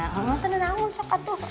tanda tanda sok atu